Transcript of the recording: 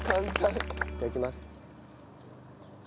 いただきます。